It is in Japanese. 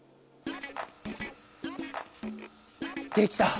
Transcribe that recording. できた！